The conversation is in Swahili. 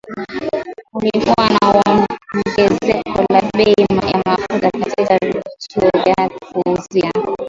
Kulikuwa na ongezeko la bei ya mafuta katika vituo vya kuuzia